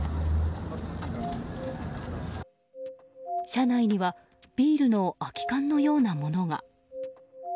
車内にはビールの空き缶のようなものが。